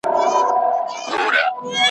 راته مه وایه چي ژوند دی بې مفهومه تش خوبونه ,